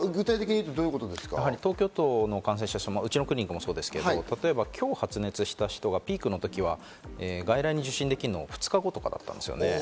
やはり東京都の感染者、うちのクリニックもそうですけど、今日発熱した人がピークの時は外来に受診できるのが２日後とかだったんですね。